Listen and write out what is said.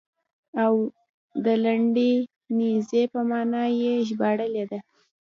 او د لنډې نېزې په معنا یې ژباړلې ده.